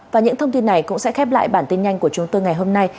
và những thông tin này cũng sẽ khép lại bản tin nhanh của chúng tôi ngày hôm nay